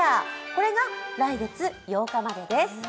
これが来月８日までです。